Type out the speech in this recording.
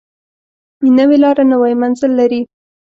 نوې لاره نوی منزل لري